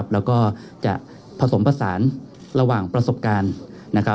แล้วก็จะผสมผสานระหว่างประสบการณ์